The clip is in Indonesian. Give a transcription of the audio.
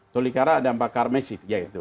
tolikara dan pakar mesit yaitu